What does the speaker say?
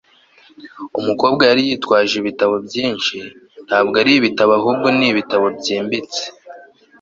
umukobwa yari yitwaje ibitabo byinshi, ntabwo ari ibitabo ahubwo ni ibitabo byimbitse